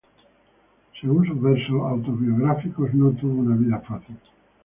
Según sus versos autobiográficos no tuvo una vida fácil.